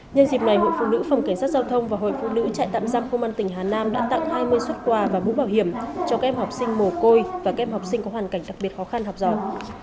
nhân dịp này hội phụ nữ phòng cảnh sát giao thông và hội phụ nữ trại tạm giam công an tỉnh hà nam đã tặng hai mươi xuất quà và mũ bảo hiểm cho các em học sinh mồ côi và các em học sinh có hoàn cảnh đặc biệt khó khăn học giỏi